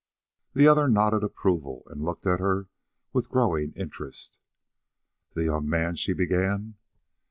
The other nodded approval, and looked at her with growing interest. "That young man " she began.